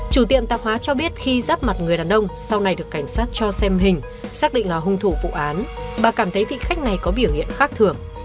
chủ tiệm tạp hóa cho biết khi giáp mặt người đàn ông sau này được cảnh sát cho xem hình xác định là hung thủ vụ án bà cảm thấy vị khách này có biểu hiện khác thường